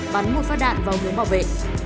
bắn một phát đạn vào hướng bảo vệ